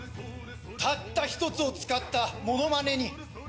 たった一つを使ったモノマネに